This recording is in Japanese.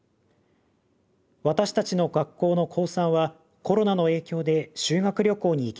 私たちの学校の高３はコロナの影響で修学旅行に行けませんでした。